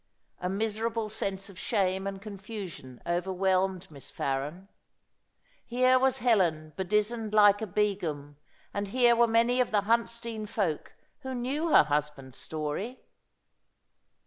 A miserable sense of shame and confusion overwhelmed Miss Farren. Here was Helen bedizened like a Begum, and here were many of the Huntsdean folk who knew her husband's story!